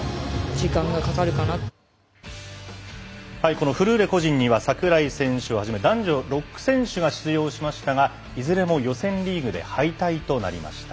このフルーレ個人には櫻井選手を初め男女６選手が出場しましたがいずれも予選リーグで敗退となりました。